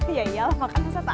ya iyalah makanlah setan